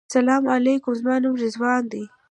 سلام علیکم زما نوم رضوان دی.